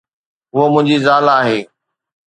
ھوءَ منھنجي زال آھي.